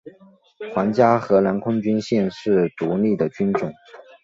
皇家荷兰空军现在是独立的军种。